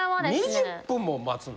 ２０分も待つの？